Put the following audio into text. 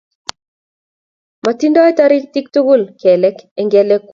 Matingdoi toritik tugul kelek eng' kelekwach